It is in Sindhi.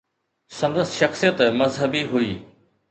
سندس شخصيت مذهبي هئي.